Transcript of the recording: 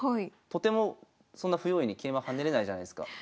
とてもそんな不用意に桂馬跳ねれないじゃないすか。